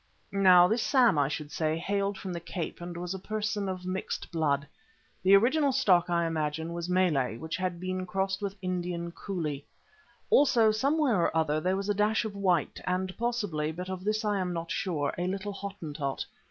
Now this Sam, I should say, hailed from the Cape, and was a person of mixed blood. The original stock, I imagine, was Malay which had been crossed with Indian coolie. Also, somewhere or other, there was a dash of white and possibly, but of this I am not sure, a little Hottentot.